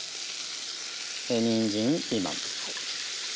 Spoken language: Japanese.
にんじんピーマン。